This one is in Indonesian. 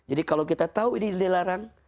jadi kalau kita tahu ini dilarang